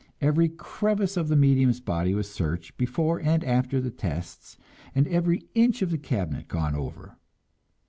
Every crevice of the medium's body was searched before and after the tests, and every inch of the "cabinet" gone over.